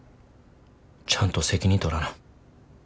ちゃんと責任取らな。